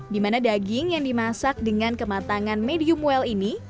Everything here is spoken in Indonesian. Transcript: dimana daging yang dimasak dengan kematangan medium well ini